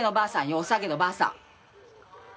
「おさげのばあさん」。